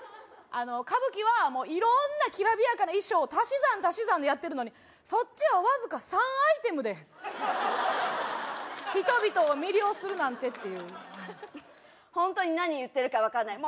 歌舞伎はいろんなきらびやかな衣装を足し算足し算でやってるのにそっちはわずか３アイテムで人々を魅了するなんてっていうホントに何言ってるか分かんない